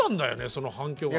その反響が。